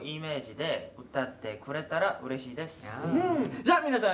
じゃあ皆さん。